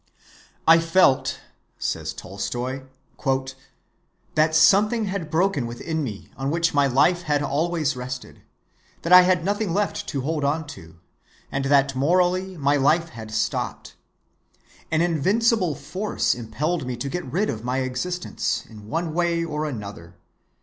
"I felt," says Tolstoy, "that something had broken within me on which my life had always rested, that I had nothing left to hold on to, and that morally my life had stopped. An invincible force impelled me to get rid of my existence, in one way or another.